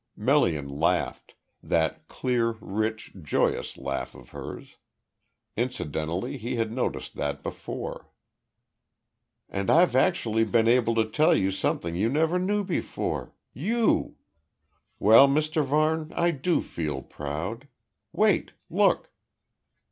Melian laughed that clear, rich, joyous laugh of hers. Incidentally he had noticed that before. "And I've actually been able to tell you some thing you never knew before. You! Well, Mr Varne, I do feel proud. Wait look."